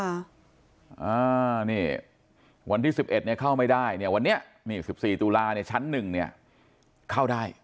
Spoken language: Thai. อ่านี่วันที่๑๑เนี่ยเข้าไม่ได้เนี่ยวันนี้นี่๑๔ตุลาเนี่ยชั้นหนึ่งเนี่ยเข้าได้